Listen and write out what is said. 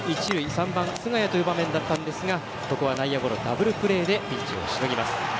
３番、菅谷という場面でしたがここは内野ゴロ、ダブルプレーでピンチをしのぎます。